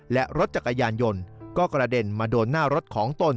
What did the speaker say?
และรถจักรยานยนต์ก็กระเด็นมาโดนหน้ารถของตน